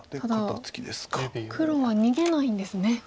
ただ黒は逃げないんですね